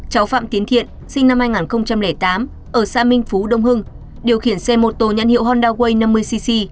cháu phạm tiến thiện sinh năm hai nghìn tám ở xã minh phú đông hưng điều khiển xe mô tô nhãn hiệu honda way năm mươi cc